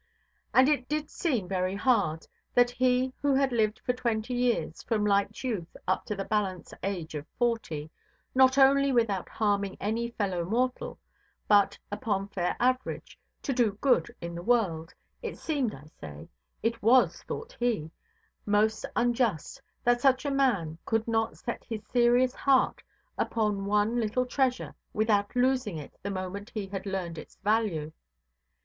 And it did seem very hard, that he who had lived for twenty years, from light youth up to the balance age of forty, not only without harming any fellow–mortal, but, upon fair average, to do good in the world—it seemed, I say—it was, thought he—most unjust that such a man could not set his serious heart upon one little treasure without losing it the moment he had learned its value.